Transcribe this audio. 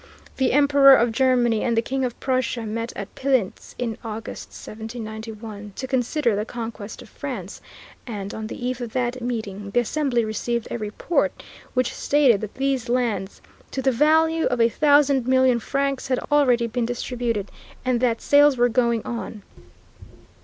The Emperor of Germany and the King of Prussia met at Pilnitz in August, 1791, to consider the conquest of France, and, on the eve of that meeting, the Assembly received a report which stated that these lands to the value of a thousand million francs had already been distributed, and that sales were going on.